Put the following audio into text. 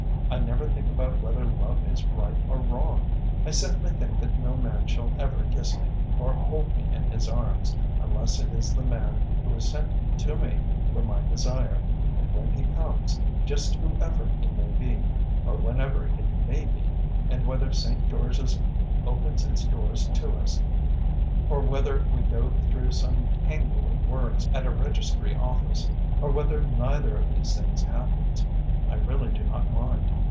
I never think about whether love is right or wrong. I simply think that no man shall ever kiss me, or hold me in his arms, unless it is the man who is sent to me for my desire, and when he comes, just whoever he may be, or whenever it may be, and whether St. George's opens its doors to us or whether we go through some tangle of words at a registry office, or whether neither of these things happens, I really do not mind.